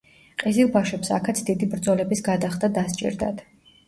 ყიზილბაშებს აქაც დიდი ბრძოლების გადახდა დასჭირდათ.